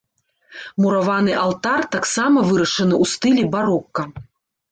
Мураваны алтар таксама вырашаны ў стылі барока.